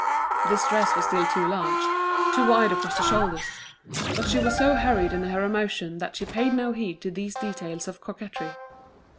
This dress was still too large, too wide across the shoulders; but she was so hurried in her emotion that she paid no heed to these details of coquetry.